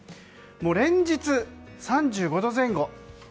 連日、３５度前後。